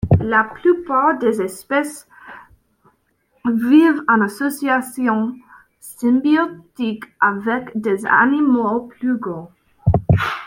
La plupart des espèces vivent en association symbiotique avec des animaux plus grands.